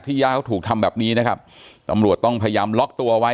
ที่ย่างถูกทำแบบนี้นะครับตอบโรดต้องพยายามล็อกตัวไว้